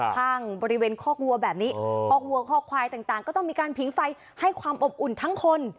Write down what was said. ข้างบริเวณคอกวัวแบบนี้คอกวัวคอกควายต่างก็ต้องมีการผิงไฟให้ความอบอุ่นทั้งคน